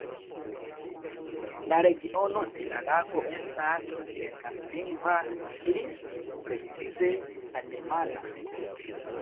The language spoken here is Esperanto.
La regiono de la lago estas germanlingva, pli precize alemana.